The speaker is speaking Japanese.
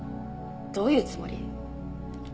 どういうつもり？